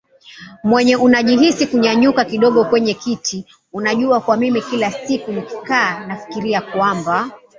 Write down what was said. mwenyewe unajihisi kunyanyuka kidogo kwenye kiti Unajua kwa mimi kila siku nikikaa nafikiria kwamba